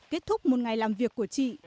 kết thúc một ngày làm việc của chị